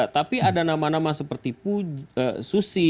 tapi ada nama nama seperti susi